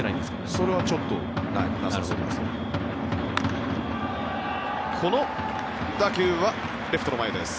それはちょっとなさそうです。